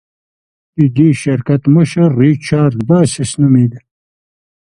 د دې شرکت مشر ریچارډ باسس نومېده.